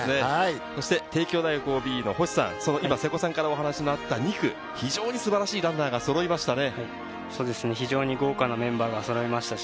帝京大学ＯＢの星さん、瀬古さんからお話があった２区、非常に素晴らしいランナーがそろいましたね。